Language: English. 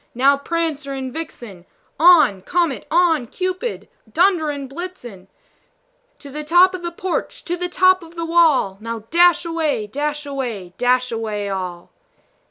now, Prancer and Vixen! On! Comet, on! Cupid, on! Dunder and Blitzen To the top of the porch, to the top of the wall! Now, dash away, dash away, dash away all!"